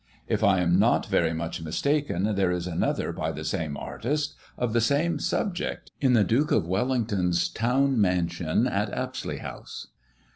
If I am not very much mistaken there is another, by the same artist, of the same subject, in the Duke of Wellington's town mansion, at Apsley House.